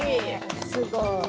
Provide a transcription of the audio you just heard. すごい。